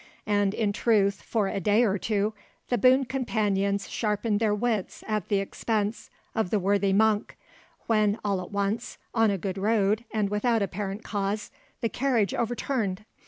And in truth, for a day or two, the boon companions sharpened their wits at the expense of the worthy monk, when all at once, on a good road and without apparent cause, the carriage overturned.